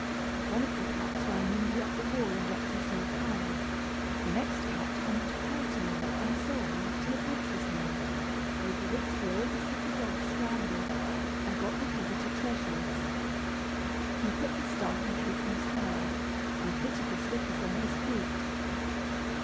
One of the cats ran nimbly up the wall and let herself hang; the next cat hung to her tail, and so on till a bridge was made, over which the oldest of the dogs scrambled, and got the coveted treasures. He put the staff in Ha'penny's hand, and fitted the slippers on his feet.